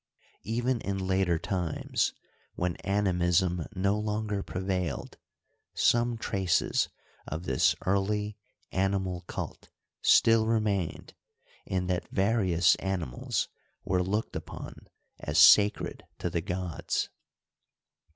Even in later times, when animism no longer prevailed, some traces of this early animal cult still remained in that various animals were looked upon as sacred to the gods.